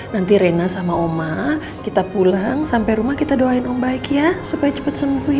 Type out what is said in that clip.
nanti rena sama oma kita pulang sampai rumah kita doain om baik ya supaya cepet sembuh ya